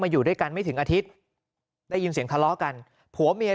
อยู่ด้วยกันไม่ถึงอาทิตย์ได้ยินเสียงทะเลาะกันผัวเมีย